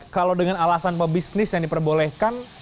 kalau dengan alasan pebisnis yang diperbolehkan